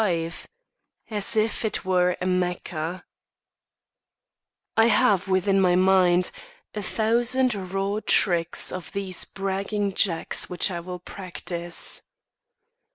XXXV "AS IF IT WERE A MECCA" I have within my mind A thousand raw tricks of these bragging Jacks Which I will practise.